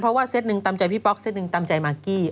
เพราะว่าเซตหนึ่งตามใจพี่ป๊อกเซ็ตหนึ่งตามใจมากกี้